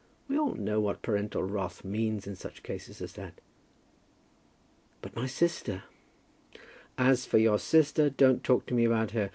We all know what parental wrath means in such cases as that." "But my sister " "As for your sister, don't talk to me about her.